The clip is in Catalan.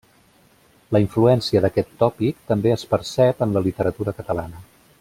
La influència d'aquest tòpic també es percep en la literatura catalana.